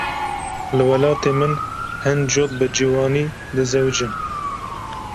Li welatê min hin cot bi ciwanî dizewicin.